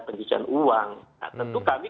penyusuan uang nah tentu kami